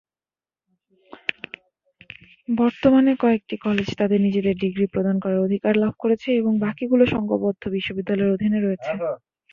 বর্তমানে কয়েকটি কলেজ তাদের নিজেদের ডিগ্রি প্রদান করার অধিকার লাভ করেছে এবং বাকিগুলো সংঘবদ্ধ বিশ্ববিদ্যালয়ের অধীনে রয়েছে।